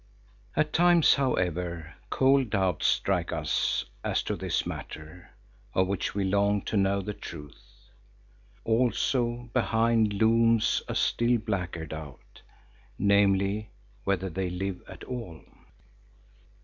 At times, however, cold doubts strike us as to this matter, of which we long to know the truth. Also behind looms a still blacker doubt, namely whether they live at all.